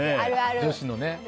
女子のね。